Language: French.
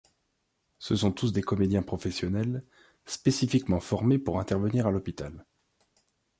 Ce sont tous des comédiens professionnels, spécifiquement formés pour intervenir à l’hôpital.